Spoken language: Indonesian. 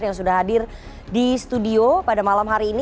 yang sudah hadir di studio pada malam hari ini